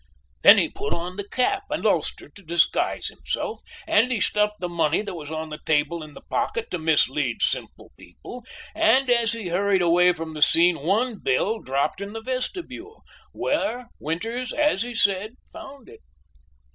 "Then he put on the cap and ulster to disguise himself and he stuffed the money that was on the table in the pocket to mislead simple people and as he hurried away from the scene one bill dropped in the vestibule, where Winters, as he said, found it.